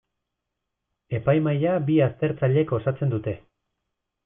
Epaimahaia bi aztertzailek osatzen dute.